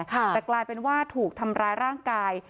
แต่กลายเป็นว่าถูกทำร้ายร่างกาย